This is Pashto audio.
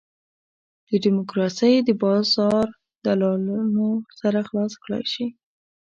د ډیموکراسۍ د بازار دلالانو سر خلاص کړای شي.